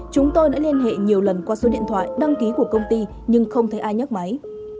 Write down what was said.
chúng tôi đã liên hệ nhiều lần qua số điện thoại đăng ký của công ty nhưng không thấy ai nhắc máy